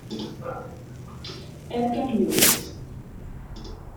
Edgar Lewis